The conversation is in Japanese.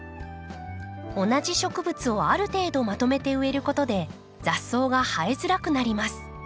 同じ植物をある程度まとめて植えることで雑草が生えづらくなります。